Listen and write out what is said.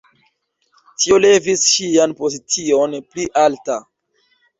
Tio levis ŝian pozicion pli alta.